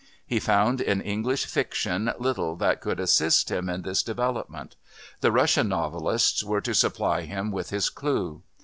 He found in English fiction little that could assist him in this development; the Russian novelists were to supply him with his clue.